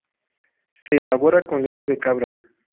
Se elabora con leche de cabra.